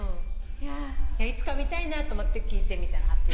いつか見たいなと思って聞いてみたの発表会あるかなと。